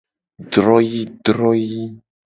Droyii droyii.